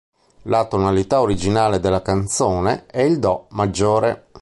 La tonalità originale della canzone è il Do Maggiore.